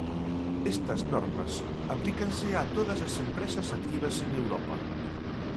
Estas normas aplícanse a todas as empresas activas en Europa.